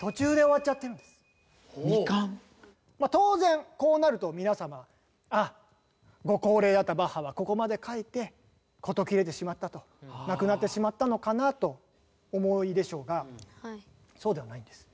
当然こうなると皆様ああご高齢だったバッハはここまで書いて事切れてしまったと亡くなってしまったのかなとお思いでしょうがそうではないんです。